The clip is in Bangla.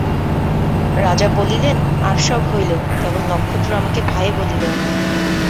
রাজা বলিলেন, আর সব হইল, কেবল নক্ষত্র আমাকে ভাই বলিল না।